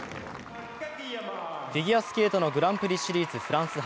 フィギュアスケートのグランプリシリーズ・フランス杯。